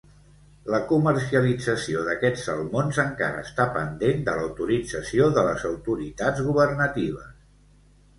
La comercialització d’aquests salmons encara està pendent de l'autorització de les autoritats governatives.